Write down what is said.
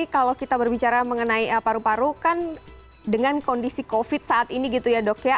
kalau kita berbicara mengenai paru paru kan dengan kondisi covid saat ini gitu ya dok ya